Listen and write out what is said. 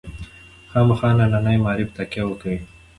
خامخا ننني معارف تکیه وکوي.